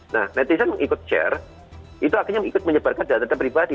nah netizen ikut share itu akhirnya ikut menyebarkan data data pribadi